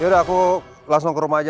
yaudah aku langsung ke rumah aja